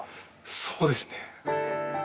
そうですね。